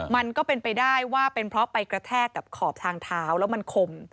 มันก็เป็นไปได้ว่าเป็นเพราะไปกระแทกกับขอบทางเท้าแล้วมันคม